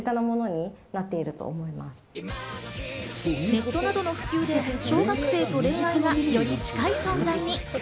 ネットなどの普及で小学生と恋愛がより近い存在に。